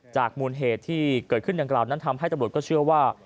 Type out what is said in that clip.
มูลเหตุที่เกิดขึ้นดังกล่าวนั้นทำให้ตำรวจก็เชื่อว่า